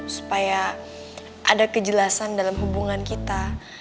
supaya ada kejelasan dalam hubungan kita